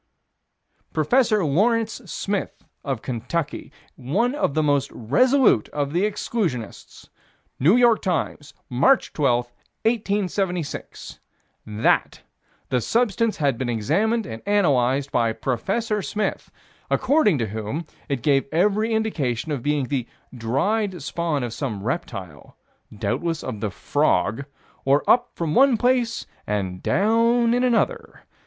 Prof. Lawrence Smith, of Kentucky, one of the most resolute of the exclusionists: New York Times, March 12, 1876: That the substance had been examined and analyzed by Prof. Smith, according to whom it gave every indication of being the "dried" spawn of some reptile, "doubtless of the frog" or up from one place and down in another.